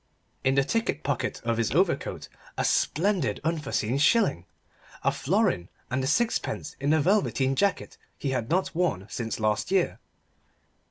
In the ticket pocket of his overcoat a splendid unforeseen shilling a florin and a sixpence in the velveteen jacket he had not worn since last year.